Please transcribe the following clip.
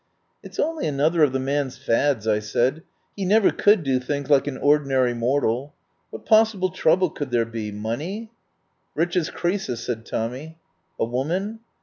"It's only another of the man's fads," I said. "He never could do things like an or dinary mortal. What possible trouble could there be? Money?" "Rich as Croesus," said Tommy. "A woman?"